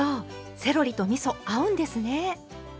セロリとみそ合うんですね。